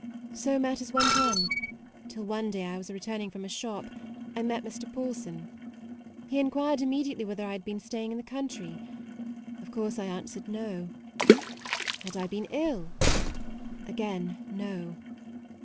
So matters went on; till one day as I was re turning from a shop, I met Mr. Paulson. He enquired immediately whether I had been staying in the country? Of course I answered, No. Had I been ill? again, No.